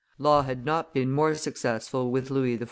Law had not been more successful with Louis XIV.